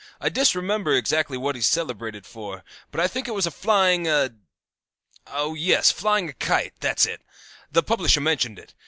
I disremember exactly what he is celebrated for, but I think it was a flying a oh, yes, flying a kite, that's it. The publisher mentioned it.